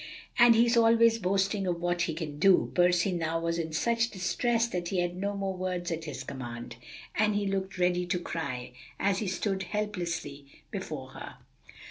"And he's always boasting of what he can do." Percy now was in such distress that he had no more words at his command, and he looked ready to cry, as he stood helplessly before her.